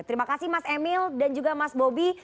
terima kasih mas emil dan juga mas bobi